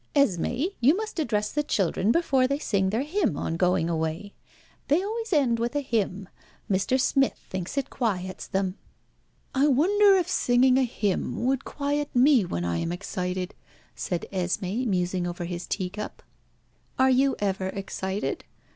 Esmé, you must address the children before they sing their hymn on going away. They always end with a hymn. Mr. Smith thinks it quiets them." "I wonder if singing a hymn would quiet me when I am excited," said Esmé, musing over his tea cup. "Are you ever excited?"